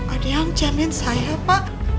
ada yang jamin saya pak